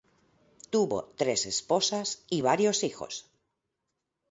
Tuvo tres esposas y varios hijos.